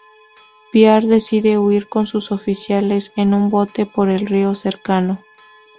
Piar decide huir con sus oficiales en un bote por el río cercano.